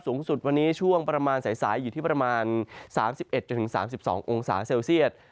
สูงสุดวันนี้ช่วงประมาณสายอยู่ที่ประมาณ๓๑๓๒องศาเซลเซียต